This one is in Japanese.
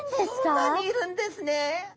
そんなにいるんですね。